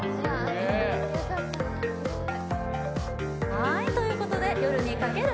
はいということで「夜に駆ける」